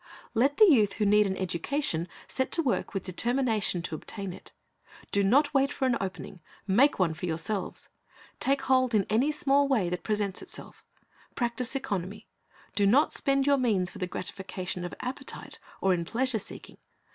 Let the youth who need an education set to work with a determination to obtain it. Do not wait for an opening; make one for yourselves. Take hold in any small way that presents itself Practise economy. ' Do not spend your means for the gratification of appetite, or in pleasure seeking.